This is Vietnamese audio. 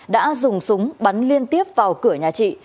đã dùng súng bắn liên tiếp vào cửa nhà chị